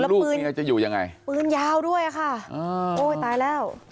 แล้วปืนเมียจะอยู่ยังไงปืนยาวด้วยอ่ะค่ะอ่าโอ้ยตายแล้ว